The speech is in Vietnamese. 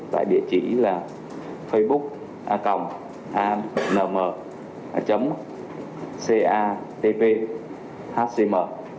tại địa chỉ facebook anm catv hcm